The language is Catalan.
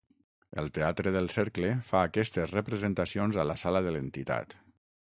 El Teatre del Cercle fa aquestes representacions a la sala de l'entitat.